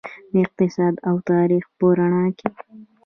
د اقتصاد او تاریخ په رڼا کې.